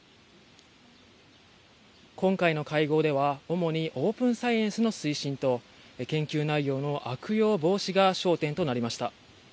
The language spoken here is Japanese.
今回の会合では主にオープンサイエンスの推進と研究内容の悪用防止が焦点となりました。